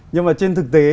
nhưng mà trên thực tế